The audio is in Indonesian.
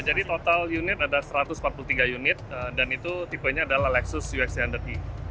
jadi total unit ada satu ratus empat puluh tiga unit dan itu tipenya adalah lexus ux d i